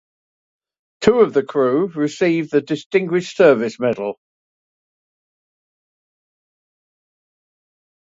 Two of the crew received the Distinguished Service Medal.